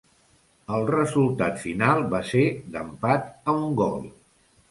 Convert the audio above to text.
El resultat final va ser d'empat a un gol.